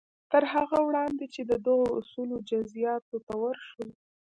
تر هغه وړاندې چې د دغو اصولو جزياتو ته ورشو.